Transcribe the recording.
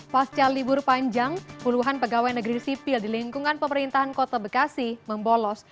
pasca libur panjang puluhan pegawai negeri sipil di lingkungan pemerintahan kota bekasi membolos